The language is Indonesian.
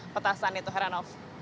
petasan itu heranov